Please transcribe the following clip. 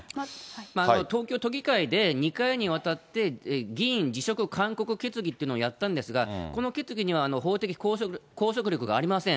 東京都議会で２回にわたって議員辞職勧告決議というのをやったんですが、この決議には、法的拘束力がありません。